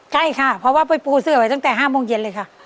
ใกล้ค่ะเพราะว่าไปปูเสือไว้ตั้งแต่๕โมงเย็นเลยค่ะ